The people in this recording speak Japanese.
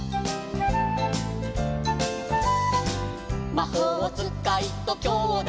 「マホーつかいときょうだいで」